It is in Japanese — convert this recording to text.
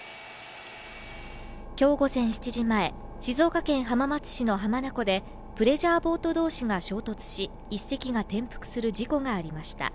今日午前７時前、静岡県浜松市の浜名湖でプレジャーボート同士が衝突し１隻が転覆する事故がありました